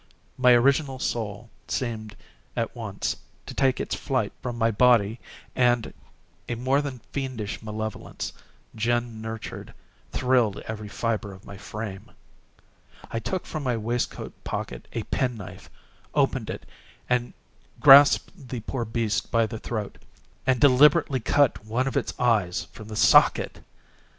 My original soul seemed, at once, to take its flight from my body and a more than fiendish malevolence, gin nurtured, thrilled every fibre of my frame. I took from my waistcoat pocket a pen knife, opened it, grasped the poor beast by the throat, and deliberately cut one of its eyes from the socket!